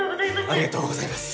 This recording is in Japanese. ありがとうございます。